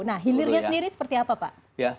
nah hilirnya sendiri seperti apa pak